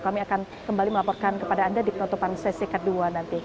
kami akan kembali melaporkan kepada anda di penutupan sesi kedua nanti